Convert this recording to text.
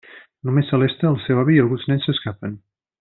Només Celeste, el seu avi i alguns nens s'escapen.